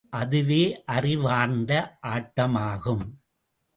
அதுவே அறிவார்ந்த ஆட்டமாகும்.